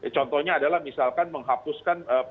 contohnya adalah misalkan menghapuskan